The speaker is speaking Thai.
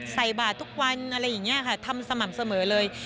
ใส่บาททุกวันอะไรอย่างนี้ค่ะทำสม่ำเสมอเลย